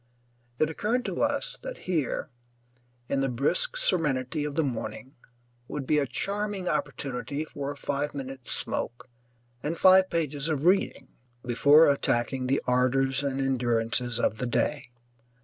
It occurred to us that here, in the brisk serenity of the morning, would be a charming opportunity for a five minute smoke and five pages of reading before attacking the ardours and endurances of the day.